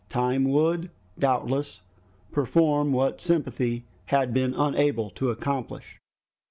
Time would doubtless perform what sympathy had been unable to accomplish.